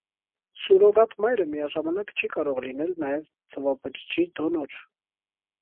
«Սուրոգատ մայրը միաժամանակ չի կաչող լինել նաև ձվաբջջի դոնոր»։